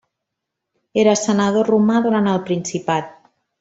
Era senador romà durant el Principat.